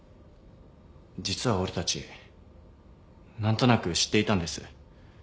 実は俺たち何となく知っていたんです。